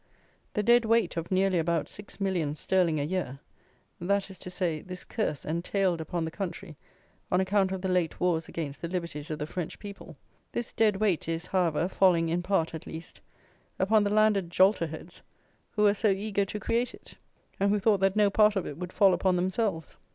The Dead Weight of nearly about six millions sterling a year; that is to say, this curse entailed upon the country on account of the late wars against the liberties of the French people, this Dead Weight is, however, falling, in part, at least, upon the landed jolterheads who were so eager to create it, and who thought that no part of it would fall upon themselves.